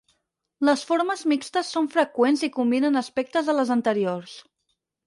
Les formes mixtes són freqüents i combinen aspectes de les anteriors.